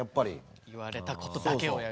言われたことだけをやる。